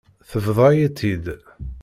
Tebḍa-yi-tt-id.